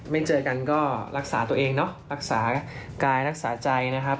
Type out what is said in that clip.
ไม่เจอกันก็รักษาตัวเองเนาะรักษากายรักษาใจนะครับ